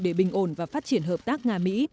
để bình ổn và phát triển hợp tác nga mỹ